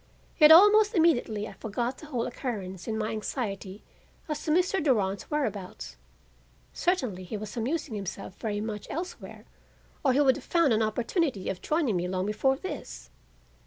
Yet almost immediately I forgot the whole occurrence in my anxiety as to Mr. Durand's whereabouts. Certainly he was amusing himself very much elsewhere or he would have found an opportunity of joining me long before this.